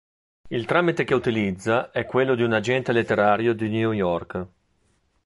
Il tramite che utilizza è quello di un agente letterario di New York.